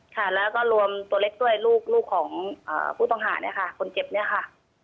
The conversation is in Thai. ค่ะแล้วก็รวมตัวเล็กด้วยลูกของผู้ต้องหาเนี่ยค่ะคนเจ็บเนี่ยค่ะ